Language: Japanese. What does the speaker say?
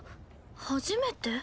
初めて？